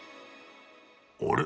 あれ？